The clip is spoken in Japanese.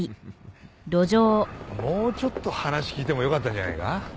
もうちょっと話聞いてもよかったんじゃないか？